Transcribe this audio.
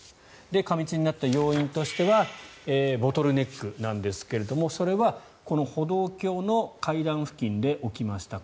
過密になった要因としてはボトルネックなんですがそれはこの歩道橋の階段付近で起きました。